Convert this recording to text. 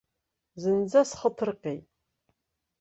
Зынӡа схы ҭырҟьеит.